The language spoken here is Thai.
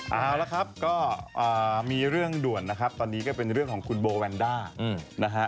เอาละครับก็มีเรื่องด่วนนะครับตอนนี้ก็เป็นเรื่องของคุณโบแวนด้านะฮะ